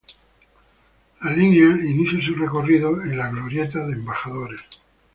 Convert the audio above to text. La línea inicia su recorrido en la Glorieta de Embajadores.